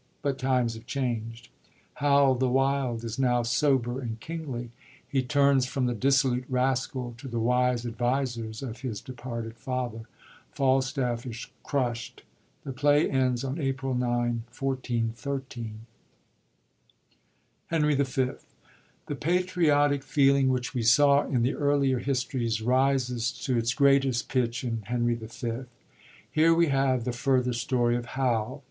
But times have changed : Hal the wild is now sober and kingly ; he turns from the dissolute rascal to the wise advisers of his departed father. Falstaff is crusht. The play ends on April 0, 1413. Hbnbt V. — lie patriotic feeling which we saw in the earlier histories rises to its greatest pitch in Henry V. Here we have the further story of Hal.